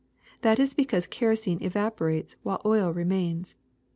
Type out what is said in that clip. That is because kerosene evaporates, while oil remains.